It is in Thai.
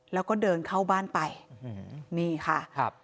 แล้วก็เดินเข้าบ้านไปนี่ค่ะครับ